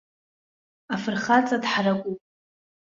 Афырхаҵа дҳаракуп.